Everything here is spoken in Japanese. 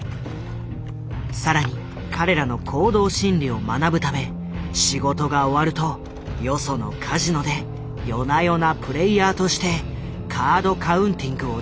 更に彼らの行動心理を学ぶため仕事が終わるとよそのカジノで夜な夜なプレイヤーとしてカード・カウンティングを実践。